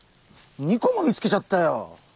２個も見つけちゃったよ。